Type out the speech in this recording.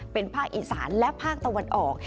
เป็นภาคอีสานและภาคตะวันออก